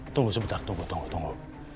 tunggu sebentar tunggu tunggu